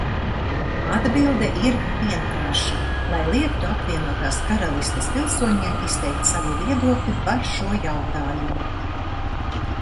Atbilde ir vienkārša: lai liegtu Apvienotās Karalistes pilsoņiem izteikt savu viedokli par šo jautājumu.